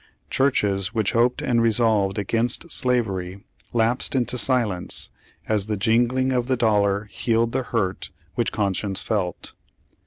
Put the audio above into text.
Churches which hoped and resolved against slavery lapsed into silence, as the jingling of the dollar healed the hurt which conscience felt.